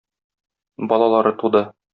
Балалары туды.